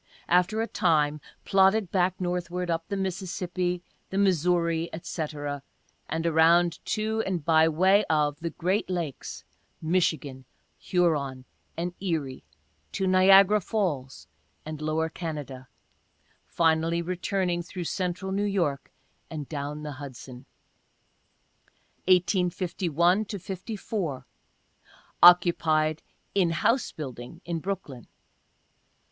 After a time, plodded back northward, up the Mississippi, the Missouri, &c, and around to, and by way of, the great lakes, Michigan, Huron and Erie, to Niagara Falls and lower Canada — finally returning through Central New York, and down the Hudson. 1851 54. — Occupied in house building in Brooklyn.